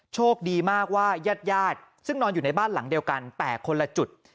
โชคดีมากว่ายาดซึ่งนอนอยู่ในบ้านหลังเดียวกันแต่คนละจุด